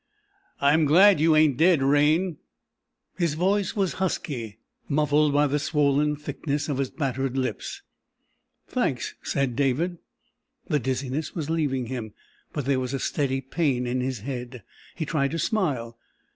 "I'm glad you ain't dead, Raine." His voice was husky, muffled by the swollen thickness of his battered lips. "Thanks," said David. The dizziness was leaving him, but there was a steady pain in his head. He tried to smile.